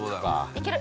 いける。